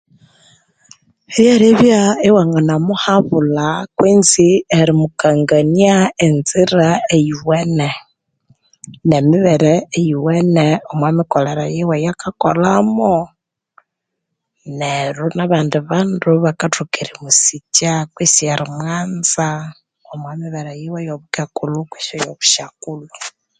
Lyeribya iwangana muhabulha kwenzi erimukangania enzira eyiwene, ne mibere eyiwene omwamikolere yiwe eyaka kolhamu, neryo nabandi bandu, bakathoka erimusikya kwesi erimwanza omwa mibere yiwe eyo obukekulhu kwesi eyo obushakulhu.